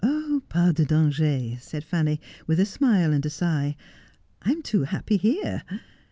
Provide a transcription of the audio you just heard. Pas de dang&rj said Fanny, with a smile and a sigh. ' I am too happy here.